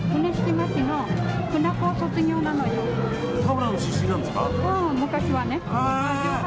田村の出身なんですか。